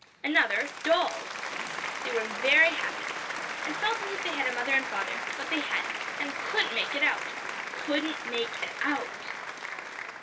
_ Another, dolls. They were very happy, and felt as if they had a mother and father; but they hadn't, and couldn't make it out. _Couldn't make it out!